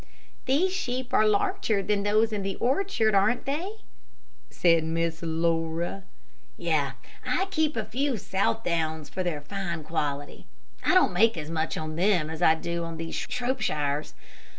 "These sheep are larger than those in the orchard, aren't they?" said Miss Laura. "Yes; I keep those few Southdowns for their fine quality. I don't make as much on them as I do on these Shropshires.